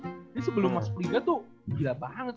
jadi sebelum masuk liga tuh gila banget